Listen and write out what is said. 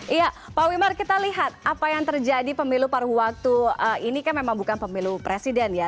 iya pak wimar kita lihat apa yang terjadi pemilu paruh waktu ini kan memang bukan pemilu presiden ya